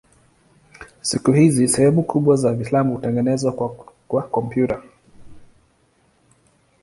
Siku hizi sehemu kubwa za filamu hutengenezwa kwa kompyuta.